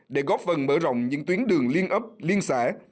để góp phần mở rộng những tuyến đường liên ấp liên xã